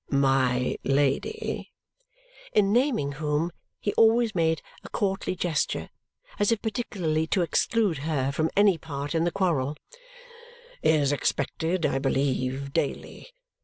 My Lady," in naming whom he always made a courtly gesture as if particularly to exclude her from any part in the quarrel, "is expected, I believe, daily.